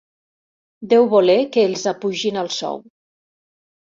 Deu voler que els apugin el sou.